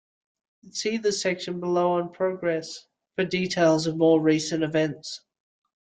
See the section below on 'Progress' for details of more recent events.